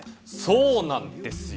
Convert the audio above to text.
そうなんですよ。